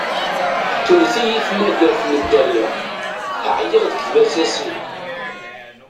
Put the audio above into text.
Tewwet-iyi tmagart n dderya, ɛyiɣ di tbasasin.